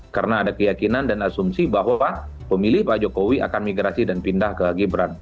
karena ada keyakinan dan asumsi bahwa pemilih pak jokowi akan migrasi dan pindah ke gibran